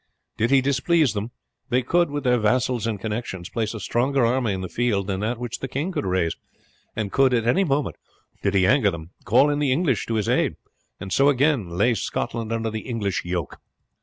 Did he displease them, they could, with their vassals and connections, place a stronger army in the field than that which the king could raise; and could at any moment, did he anger them, call in the English to his aid, and so again lay Scotland under the English yoke."